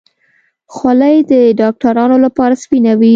خولۍ د ډاکترانو لپاره سپینه وي.